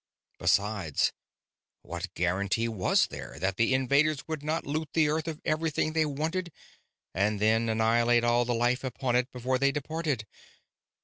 Besides, what guarantee was there that the invaders would not loot the Earth of everything they wanted and then annihilate all life upon it before they departed?